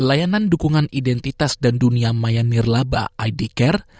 layanan dukungan identitas dan dunia mayamir labah id care